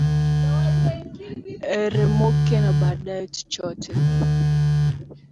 eremuke na baadaye tuchote